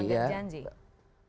itu yang dikatakan melanggar janji